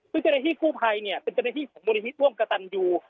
ซึ่งเจราชีกู้ภัยเนี่ยเป็นเจราชีของมูลนิธิทรวงกะตันยู